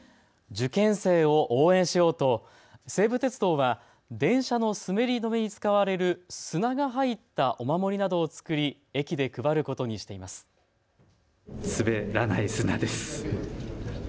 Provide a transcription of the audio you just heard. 受験生を応援しようと西武鉄道は電車の滑り止めに使われる砂が入ったお守りなどを作り駅で配ることにしています。